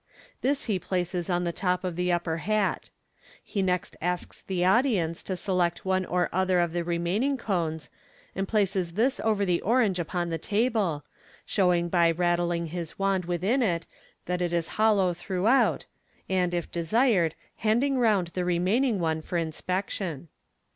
This he places on the top of the upper hat. He next asks the audience to select one or other of the re maining cones, and places this over the orange upon the table, showing by rattling his wand within it that it is hollow through out, and, if desired, handing round the remaining one for inspec tion.